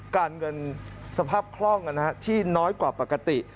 การเงินสภาพคล่องที่น้อยกว่าปกติ